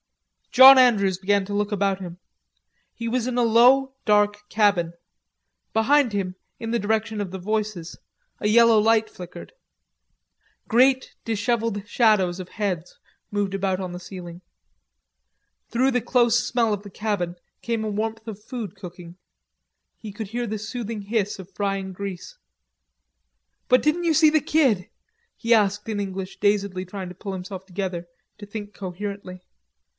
John Andrews began to look about him. He was in a dark low cabin. Behind him, in the direction of the voices, a yellow light flickered. Great dishevelled shadows of heads moved about on the ceiling. Through the close smell of the cabin came a warmth of food cooking. He could hear the soothing hiss of frying grease. "But didn't you see the Kid?" he asked in English, dazedly trying to pull himself together, to think coherently.